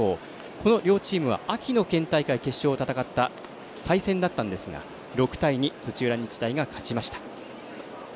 この両チームは秋の県大会決勝を戦った再戦だったんですが６対２で土浦日大が勝ちました。